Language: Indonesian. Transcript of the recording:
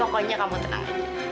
pokoknya kamu tenang